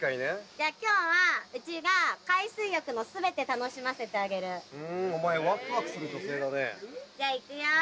じゃあ今日はうちが海水浴の全て楽しませてあげるふんお前ワクワクする女性だねじゃあいくよ